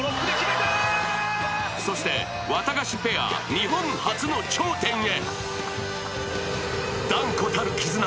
そして、ワタガシペア日本初の頂点へ。